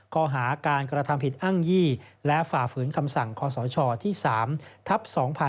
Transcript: ข้อหาการกระทำผิดอ้างยี่และฝ่าฝืนคำสั่งคศที่๓ทับ๒๕๖๒